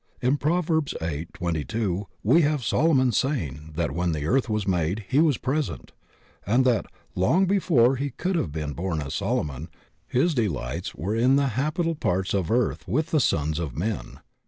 In Proverbs vni, 22, we have Solo mon saying that when the earth was made he was present, and that, long before he could have been bom as Solomon, his delights were in the habitable parts of earth with the sons of men.